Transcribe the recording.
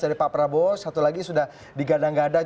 dari pak prabowo satu lagi sudah digadang gadang